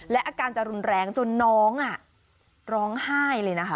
และอาการจะรุนแรงจนน้องร้องไห้เลยนะคะ